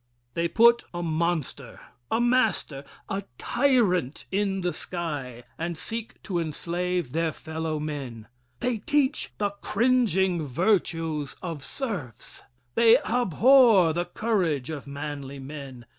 They put a monster a master a tyrant in the sky, and seek to enslave their fellow men. They teach the cringing virtues of serfs. They abhor the courage of manly men.